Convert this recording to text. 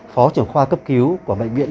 phó trưởng khoa cấp cứu